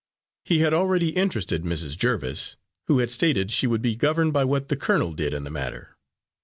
He had already interested Mrs. Jerviss, who had stated she would be governed by what the colonel did in the matter.